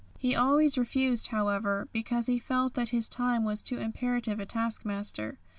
He always refused, however, because he felt that his time was too imperative a taskmaster.